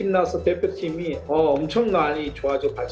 dan mereka akan lebih baik